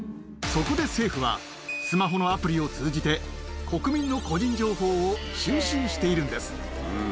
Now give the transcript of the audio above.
そこで政府は、スマホのアプリを通じて、国民の個人情報を収集しているんです。